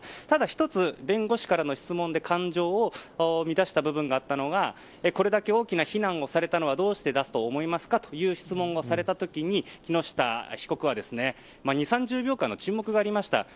ただ１つ、弁護士からの質問で感情を乱した部分があったのはこれだけ大きな非難をされたのはどうしてだと思いますかという質問をされた時に木下被告は２０３０秒間の沈黙がありました。